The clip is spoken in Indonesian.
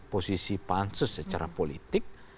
posisi pansus secara politik